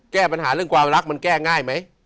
แก้ปัญหาเรื่องความรักมันแก้ง่ายไหม